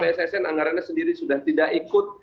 bssn anggarannya sendiri sudah tidak ikut